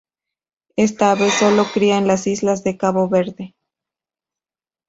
Esta ave solo cría en las islas de Cabo Verde.